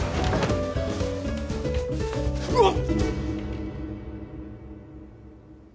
うわっ！